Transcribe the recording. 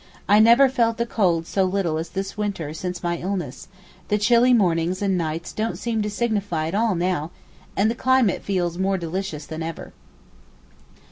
I never felt the cold so little as this winter since my illness, the chilly mornings and nights don't seem to signify at all now, and the climate feels more delicious than ever.